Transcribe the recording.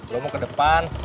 lo mau ke depan